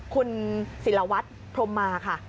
คุณศิลวัตรพรมมาค่ะ